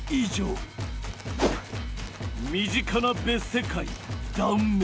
身近な別世界「断面」